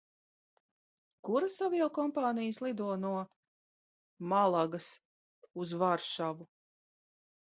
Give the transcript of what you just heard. Kuras aviokompānijas lido no Malagas uz Varšavu?